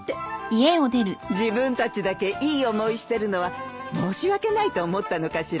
自分たちだけいい思いしてるのは申し訳ないと思ったのかしらね。